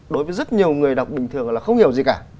đối với rất nhiều người đọc bình thường là không hiểu gì cả